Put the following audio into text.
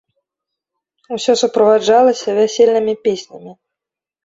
Усё суправаджалася вясельнымі песнямі.